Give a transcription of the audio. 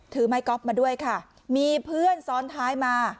ไม้ก๊อฟมาด้วยค่ะมีเพื่อนซ้อนท้ายมา